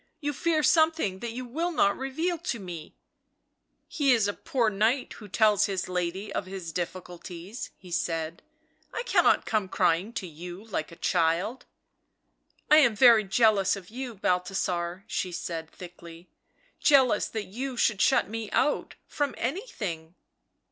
"'You fear something that you will not reveal to me !"" He is a poor knight who tells his lady of his difficulties," he said. " I cannot come crying to you like a child." " I am very jealous of you, Balthasar," she said thickly, " jealous that you should shut me out — from anything."